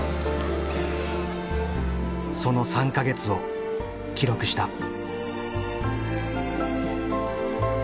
その３か月を記録した。